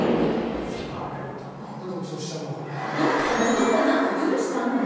どこかでなんかズルしたんだね。